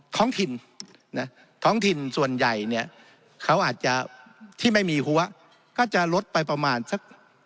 ท้องถิ่นนะท้องถิ่นส่วนใหญ่เนี่ยเขาอาจจะที่ไม่มีหัวก็จะลดไปประมาณสัก